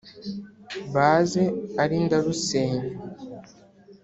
baze ari ndarusenya